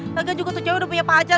lagian juga tuh cewek udah punya pacar